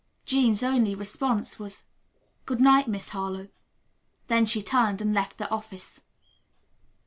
Jean's only response was, "Good night, Miss Harlowe." Then she turned and left the office.